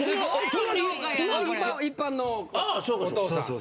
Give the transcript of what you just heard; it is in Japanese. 隣は一般のお父さん。